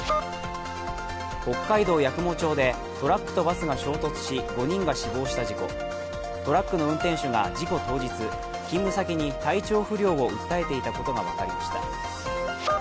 北海道八雲町でトラックとバスが衝突し、５人が死亡した事故トラックの運転手が事故当日勤務先に体調不良を訴えていたことが分かりました。